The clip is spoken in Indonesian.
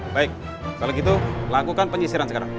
baik kalau gitu lakukan penyisiran sekarang